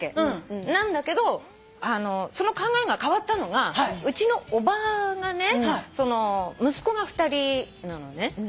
なんだけどその考えが変わったのがうちのおばがね息子が２人なのね。